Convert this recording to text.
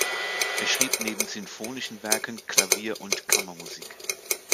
Er schrieb neben sinfonischen Werken Klavier- und Kammermusik.